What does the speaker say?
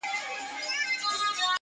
o کوس گټي کولې مرگی ئې هير وو!